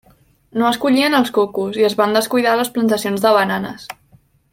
No es collien els cocos i es van descuidar les plantacions de bananes.